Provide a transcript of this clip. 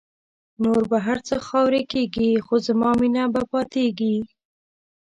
نور به هر څه خاوری کېږی خو زما مینه به پاتېږی